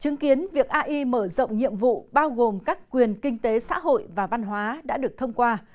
chứng kiến việc ai mở rộng nhiệm vụ bao gồm các quyền kinh tế xã hội và văn hóa đã được thông qua